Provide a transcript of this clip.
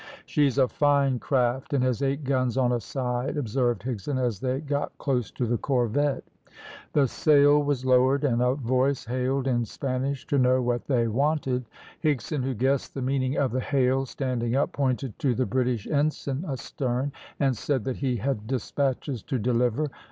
"She's a fine craft, and has eight guns on a side," observed Higson, as they got close to the corvette. The sail was lowered, and a voice hailed in Spanish to know what they wanted. Higson, who guessed the meaning of the hail, standing up, pointed to the British ensign astern, and said that he had despatches to deliver.